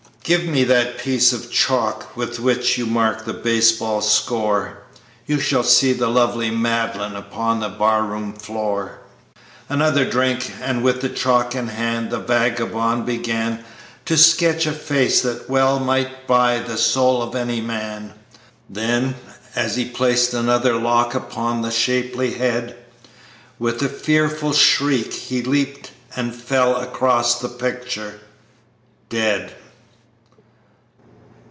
Give me that piece of chalk with which you mark the baseball score You shall see the lovely Madeline upon the barroon floor." Another drink, and with chalk in hand, the vagabond began To sketch a face that well might buy the soul of any man. Then, as he placed another lock upon the shapely head, With a fearful shriek, he leaped and fell across the picture dead.